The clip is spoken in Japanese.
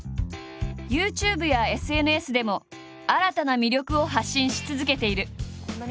ＹｏｕＴｕｂｅやＳＮＳでも新たな魅力を発信し続けている。